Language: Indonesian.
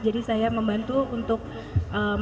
jadi saya membantu untuk bertahan